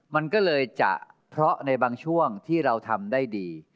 มันก็เลยจะเพราะในบางช่วงที่เราทำได้ดี